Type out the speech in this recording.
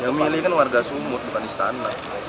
yang milih kan warga sumur bukan istana